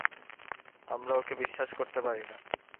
আমরা ওকে বিশ্বাস করতে পারি না।